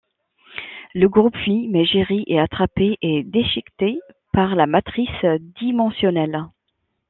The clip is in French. Le groupe fuit mais Jerry est attrapé et déchiqueté par la matrice dimensionnelle.